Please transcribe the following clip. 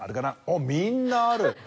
おっみんなある！